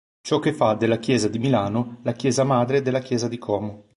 Ciò che fa della Chiesa di Milano la "Chiesa Madre" della Chiesa di Como.